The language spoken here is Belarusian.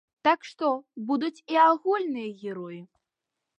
Так што будуць і агульныя героі.